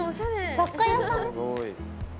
雑貨屋さん？